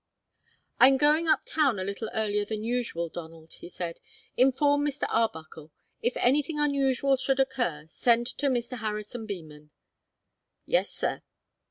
"I'm going up town a little earlier than usual, Donald," he said. "Inform Mr. Arbuckle. If anything unusual should occur, send to Mr. Harrison Beman." "Yes, sir."